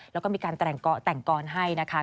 แล้วก็มีการแต่งกรให้นะคะ